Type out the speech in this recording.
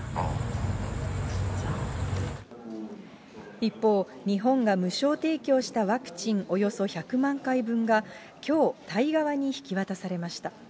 一方、日本が無償提供したワクチンおよそ１００万回分が、きょうタイ側に引き渡されました。